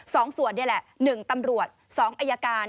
สองส่วนนี่แหละ๑ตำรวจ๒อายการ